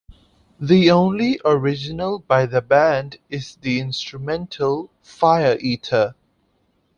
The only original by the band is the instrumental "Fire Eater".